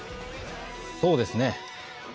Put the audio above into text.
そうですね。